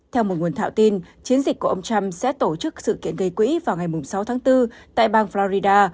theo một nguồn thạo tin chiến dịch của ông trump sẽ tổ chức sự kiện gây quỹ vào ngày sáu tháng bốn tại bang florida